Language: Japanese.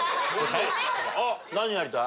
あっ何になりたい？